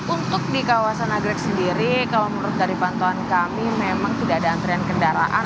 untuk di kawasan nagrek sendiri kalau menurut dari pantauan kami memang tidak ada antrian kendaraan